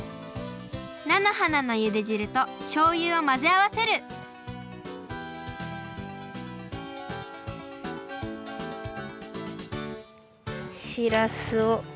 菜の花のゆでじるとしょうゆをまぜあわせるしらすを。